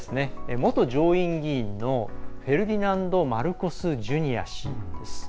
元上院議員のフェルディナンド・マルコス・ジュニア氏です。